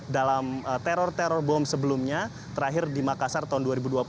dalam teror teror bom sebelumnya terakhir di makassar tahun dua ribu dua puluh